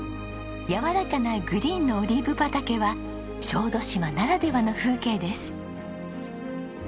やわらかなグリーンのオリーブ畑は小豆島ならではの風景です。